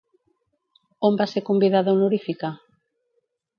On va ser convidada honorífica?